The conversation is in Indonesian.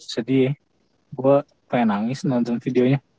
jadi gue pengen nangis nonton videonya